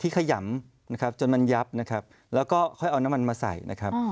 ขยำนะครับจนมันยับนะครับแล้วก็ค่อยเอาน้ำมันมาใส่นะครับ